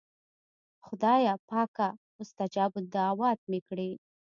خدایه پاکه مستجاب الدعوات مې کړې.